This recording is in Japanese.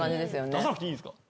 出さなくていいんすか？